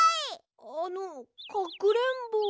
あのかくれんぼは？